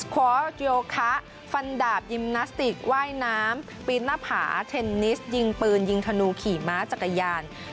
คว้าโยคะฟันดาบยิมนาสติกว่ายน้ำปีนหน้าผาเทนนิสยิงปืนยิงธนูขี่ม้าจักรยาน